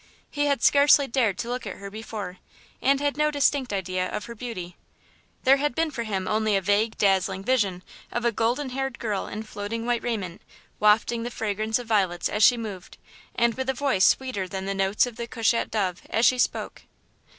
He had scarcely dared to look at her before, and had no distinct idea of her beauty. There has been for him only a vague, dazzling vision of a golden haired girl in floating white raiment, wafting the fragrance of violets as she moved, and with a voice sweeter than the notes of the cushat dove as she spoke.